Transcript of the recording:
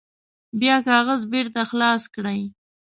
بیا کاغذ بیرته خلاص کړئ.